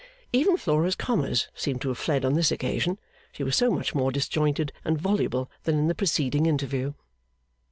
Even Flora's commas seemed to have fled on this occasion; she was so much more disjointed and voluble than in the preceding interview.